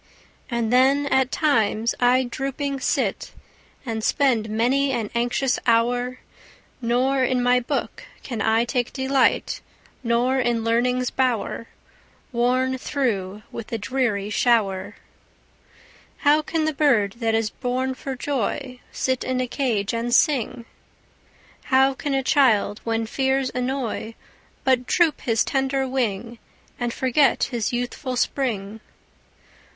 Ah then at times I drooping sit, And spend many an anxious hour; Nor in my book can I take delight, Nor sit in learning's bower, Worn through with the dreary shower. How can the bird that is born for joy Sit in a cage and sing? How can a child, when fears annoy, But droop his tender wing, And forget his youthful spring!